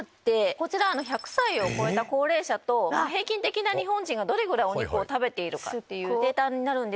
こちら１００歳を超えた高齢者と平均的な日本人がどれぐらいお肉を食べているかっていうデータになるんです。